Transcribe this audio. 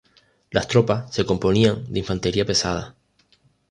Las tropas se componían de infantería pesada.